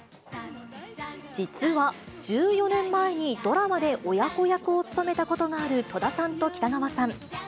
実は、１４年前にドラマで親子役を務めたことがある戸田さんと北川さん。